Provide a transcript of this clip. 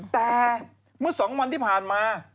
แต่เมื่อ๒วันที่ผ่านมา